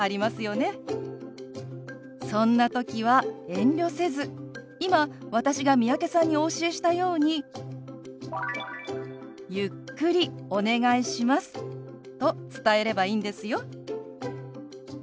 そんな時は遠慮せず今私が三宅さんにお教えしたように「ゆっくりお願いします」と伝えればいいんですよ。